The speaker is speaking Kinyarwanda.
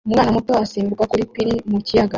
Umwana muto asimbukira kuri pir mu kiyaga